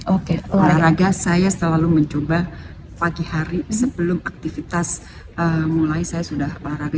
oke olahraga saya selalu mencoba pagi hari sebelum aktivitas mulai saya sudah olahraga